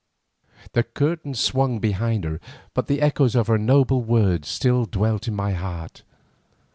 The curtains swung behind her, but the echoes of her noble words still dwelt in my heart.